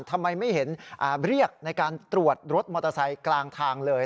ทำไมไม่เห็นเรียกในการตรวจรถมอเตอร์ไซค์กลางทางเลย